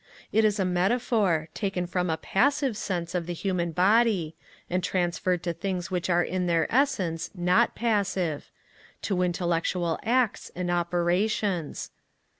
It is a metaphor, taken from a passive sense of the human body, and transferred to things which are in their essence not passive, to intellectual acts and operations.